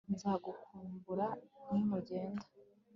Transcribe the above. nzagukumbura nimugenda